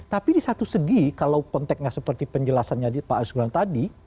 tapi di satu segi kalau konteknya seperti penjelasannya pak agus gudang tadi